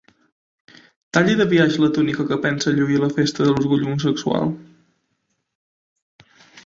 Talli de biaix la túnica que pensa lluir a la festa de l'orgull homosexual.